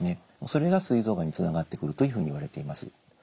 それがすい臓がんにつながってくるというふうにいわれています。